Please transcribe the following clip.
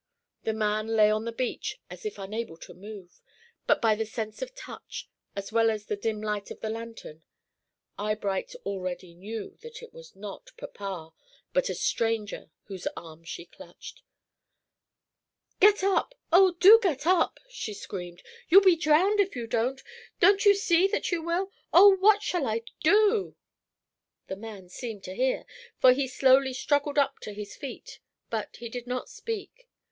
The man lay on the beach as if unable to move, but by the sense of touch, as well as the dim light of the lantern, Eyebright already knew that it was not papa, but a stranger, whose arm she clutched. "Get up, oh, do get up!" she screamed. "You'll be drowned if you don't. Don't you see that you will? Oh, what shall I do?" The man seemed to hear, for he slowly struggled up to his feet, but he did not speak.